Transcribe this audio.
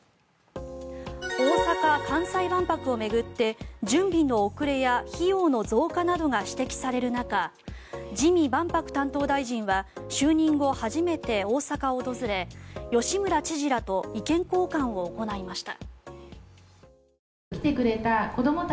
大阪・関西万博を巡って準備の遅れや費用の増加などが指摘される中自見万博担当大臣は就任後初めて大阪を訪れ吉村知事らと意見交換を行いました。